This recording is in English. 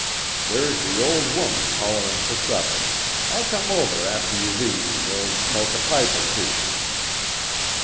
There's the old woman hollerin' fer supper. I'll come over after you've et, an' we'll smoke a pipe 'er two."